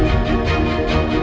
aku mau pergi